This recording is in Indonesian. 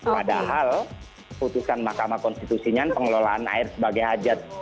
padahal putusan mahkamah konstitusinya pengelolaan air sebagai hajat